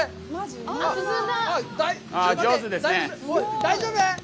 大丈夫！？